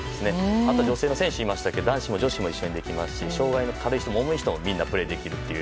あとは女性の選手がいましたが男子も女子もできますし障害の軽い人も重い人も一緒にプレーできる。